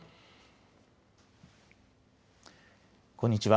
こんにちは。